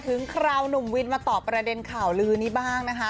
คราวหนุ่มวินมาตอบประเด็นข่าวลือนี้บ้างนะคะ